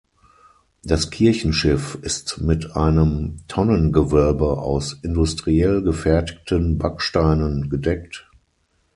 Das Kirchenschiff ist mit einem Tonnengewölbe aus industriell gefertigten Backsteinen gedeckt.